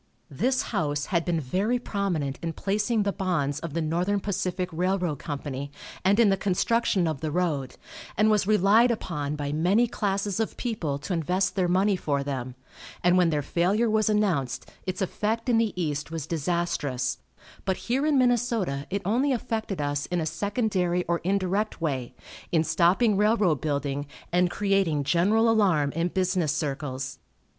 This house had been very prominent in placing the bonds of the Northern Pacific Railroad Company, and in the construction of the road, and was relied upon by many classes of people to invest their money for them, and when their failure was announced, its effect in the East was disastrous, but here in Minnesota it only affected us in a secondary or indirect way, in stopping railroad building and creating general alarm in business circles.